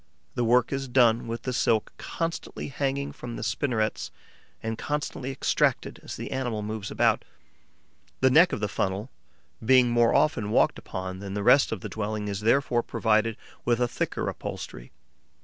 The work is done with the silk constantly hanging from the spinnerets and constantly extracted as the animal moves about. The neck of the funnel, being more often walked upon than the rest of the dwelling, is therefore provided with a thicker upholstery.